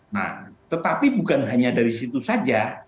nah tetapi bukan hanya dari situ saja